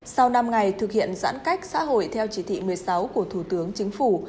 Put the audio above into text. sau năm ngày thực hiện giãn cách xã hội theo chỉ thị một mươi sáu của thủ tướng chính phủ